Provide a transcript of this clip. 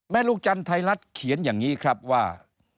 ลูกจันทร์ไทยรัฐเขียนอย่างนี้ครับว่า